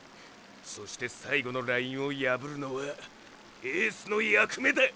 そして最後のラインをやぶるのはエースの役目だ！